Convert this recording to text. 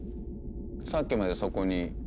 さっきまでそこに。